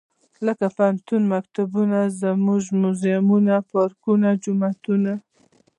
لکه پوهنتونه ، مکتبونه موزيمونه، پارکونه ، جوماتونه.